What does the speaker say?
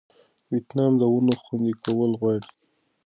ویتنام د ونو خوندي کول غواړي.